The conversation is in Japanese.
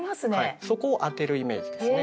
そこを当てるイメージですね。